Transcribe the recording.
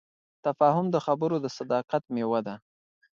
تفاهم د خبرو د صداقت میوه ده.